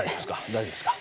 大丈夫ですか？